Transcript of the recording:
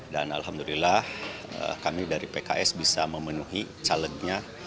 dan alhamdulillah kami dari pks bisa memenuhi calegnya